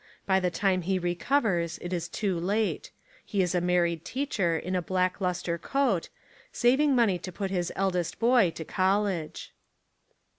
By the time he recovers it is too late. He is a mar ried teacher in a black lustre coat, saving money to put his eldest boy to college.